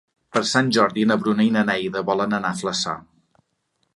Per Sant Jordi na Bruna i na Neida volen anar a Flaçà.